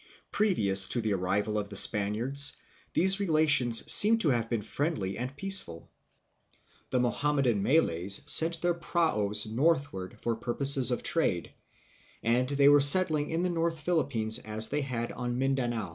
Pre vious to the arrival of the Spaniards these relations seem to have been friendly and peaceful. The Mohammedan 100 THE PHILIPPINES. Malays sent their praus northward for purposes of trade, and they were also settling in the north Philippines as they had in Mindanao.